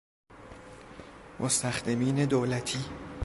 مستخدمین دولتی